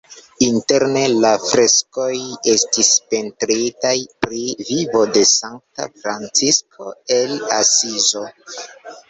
Interne la freskoj estis pentritaj pri vivo de Sankta Francisko el Asizo.